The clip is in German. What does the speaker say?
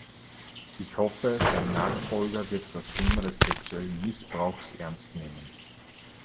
Ich hoffe, sein Nachfolger wird das Thema des sexuellen Missbrauchs ernst nehmen.